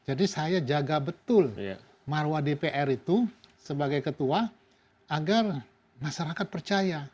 jadi saya jaga betul marwah dpr itu sebagai ketua agar masyarakat percaya